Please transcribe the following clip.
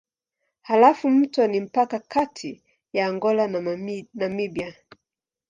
Halafu mto ni mpaka kati ya Angola na Namibia.